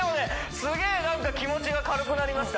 すげえなんか気持ちが軽くなりました